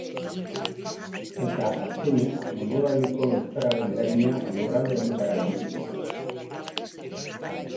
Eta, azkenik, mendebaleko euskararen eragina lurralde honetara iritsiko zen.